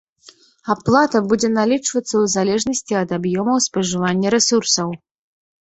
Аплата будзе налічвацца ў залежнасці ад аб'ёмаў спажывання рэсурсаў.